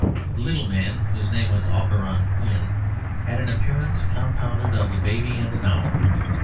The little man, whose name was Auberon Quin, had an appearance compounded of a baby and an owl.